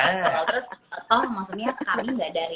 terus oh maksudnya kami